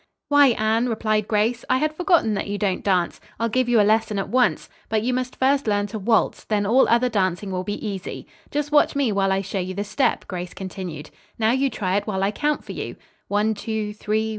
"Why Anne," replied Grace, "I had forgotten that you don't dance. I'll give you a lesson at once. But you must first learn to waltz, then all other dancing will be easy." "Just watch me while I show you the step," Grace continued. "Now, you try it while I count for you." "One, two, three.